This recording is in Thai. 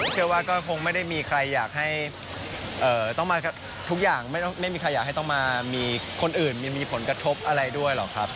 เชื่อว่าก็คงไม่ได้มีใครอยากให้ต้องมาทุกอย่างไม่มีใครอยากให้ต้องมามีคนอื่นมีผลกระทบอะไรด้วยหรอกครับ